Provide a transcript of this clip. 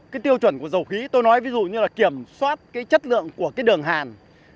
cái tiêu chuẩn của dầu khí tôi nói ví dụ như là kiểm soát cái chất lượng của cái đường hàn